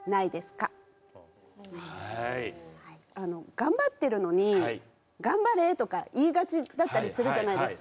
頑張ってるのに「頑張れ」とか言いがちだったりするじゃないですか。